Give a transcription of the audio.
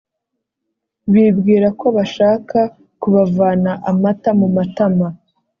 bibwira ko bashaka kubavana amata mu matama